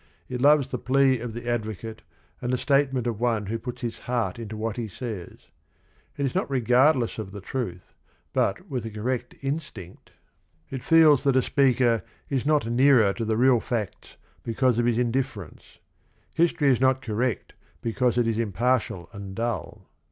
It loves the plea of the advocate and the statement of one who puts his heart into what he says. It is not regardless of the truth, but, with a correct instinct, it feels that a speaker TERTIUM QUID 55 is not nearer to the real facts because of his in difference. History is not correct because it is impartial and dull.